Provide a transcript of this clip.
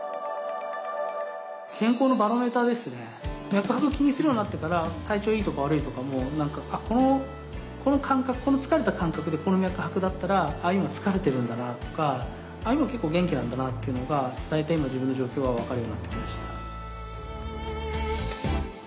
脈拍を気にするようになってから体調いいとか悪いとかもこの感覚この疲れた感覚でこの脈拍だったら今疲れてるんだなとか今結構元気なんだなっていうのが大体今の自分の状況は分かるようになってきました。